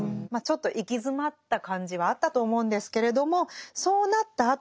まあちょっと行き詰まった感じはあったと思うんですけれどもそうなった